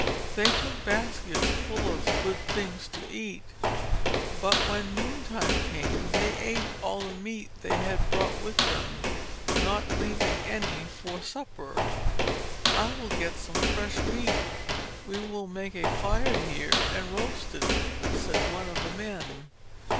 They took baskets full of good things to eat. But when noontime came they ate all the meat they had brought with them, not leaving any for supper. "I will get some fresh meat. We will make a fire here and roast it," said one of the men.